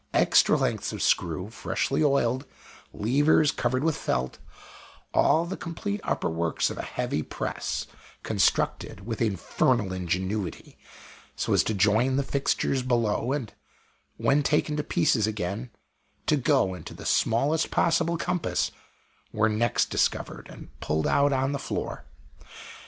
Extra lengths of screw, freshly oiled; levers covered with felt; all the complete upper works of a heavy press constructed with infernal ingenuity so as to join the fixtures below, and when taken to pieces again, to go into the smallest possible compass were next discovered and pulled out on the floor.